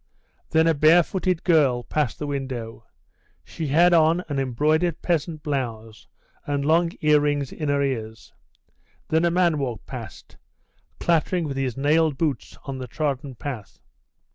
Then a barefooted girl passed the window; she had on an embroidered peasant blouse, and long earrings in her ears; then a man walked past, clattering with his nailed boots on the trodden path.